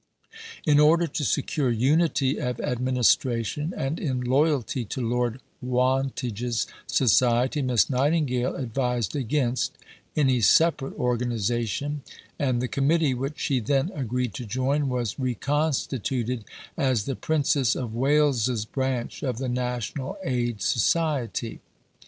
In order to secure unity of administration, and in loyalty to Lord Wantage's Society, Miss Nightingale advised against any separate organization, and the Committee, which she then agreed to join, was reconstituted as "The Princess of Wales's Branch of the National Aid Society."